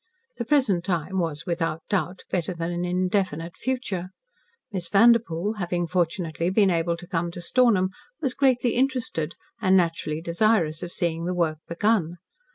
The present time was without doubt better than an indefinite future. Miss Vanderpoel, having fortunately been able to come to Stornham, was greatly interested, and naturally desirous of seeing the work begun.